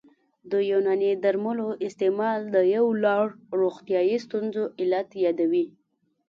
د یوناني درملو استعمال د یو لړ روغتیايي ستونزو علت یادوي